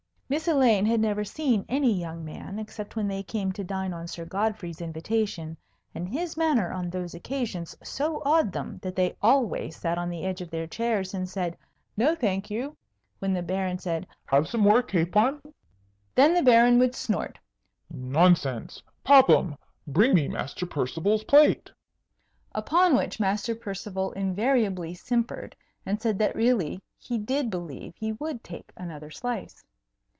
Miss Elaine had never seen any young men except when they came to dine on Sir Godfrey's invitation; and his manner on those occasions so awed them that they always sat on the edge of their chairs, and said, "No, thank you," when the Baron said, "Have some more capon?" Then the Baron would snort, "Nonsense! Popham, bring me Master Percival's plate," upon which Master Percival invariably simpered, and said that really he did believe he would take another slice.